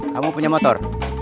kamu punya motor